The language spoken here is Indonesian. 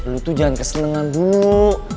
dulu tuh jangan kesenengan dulu